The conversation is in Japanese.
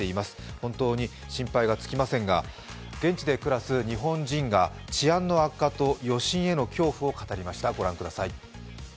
本当に心配が尽きませんが現地で暮らす日本人が治安の悪化と余震への恐怖を語りました。